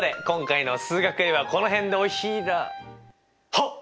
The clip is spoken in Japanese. はっ！